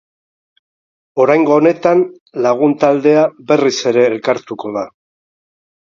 Oraingo honetan, lagun taldea berriz ere elkartuko da.